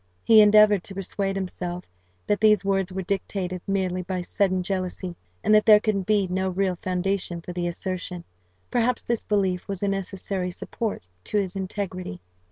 He endeavoured to persuade himself that these words were dictated merely by sudden jealousy, and that there could be no real foundation for the assertion: perhaps this belief was a necessary support to his integrity.